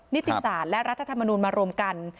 นิติศาสตร์และรัฐธรรมนูลมารวมกัน